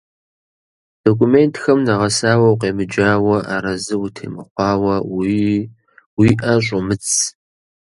Документхэм нэгъэсауэ укъемыджауэ, арэзы утемыхъуауэ, уи ӏэ щӏумыдз.